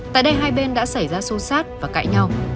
tại đây hai bên đã xảy ra xô xát và cại nhau